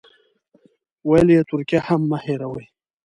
ویل یې ترکیه هم مه هېروئ.